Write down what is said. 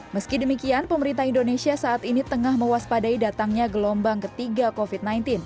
meski demikian pemerintah indonesia saat ini tengah mewaspadai datangnya gelombang ketiga covid sembilan belas